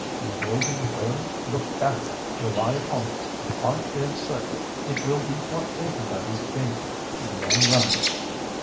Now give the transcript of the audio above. "He will be well looked after, rely upon it. I feel certain it will be for everybody's benefit in the long run."